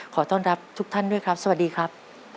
ขอต้อนรับทุกท่านด้วยครับสวัสดีครับ